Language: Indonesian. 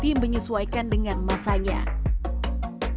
dan mencoba untuk menikmati masalah yang terjadi